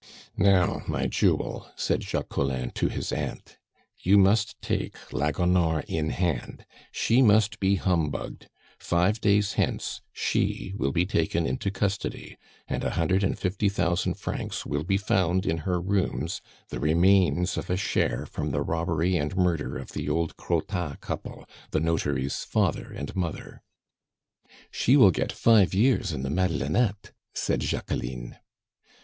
"Now, my jewel," said Jacques Collin to his aunt, "you must take la Gonore in hand; she must be humbugged. Five days hence she will be taken into custody, and a hundred and fifty thousand francs will be found in her rooms, the remains of a share from the robbery and murder of the old Crottat couple, the notary's father and mother." "She will get five years in the Madelonnettes," said Jacqueline.